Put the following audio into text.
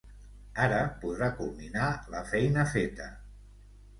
Ara podrà culminar la feina feta.